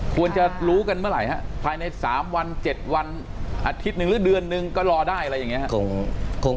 ควรจะรู้กันเมื่อไหร่ฮะภายใน๓วัน๗วันอาทิตย์หนึ่งหรือเดือนนึงก็รอได้อะไรอย่างนี้ครับ